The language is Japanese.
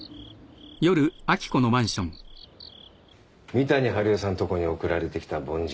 三谷治代さんとこに送られてきた梵字。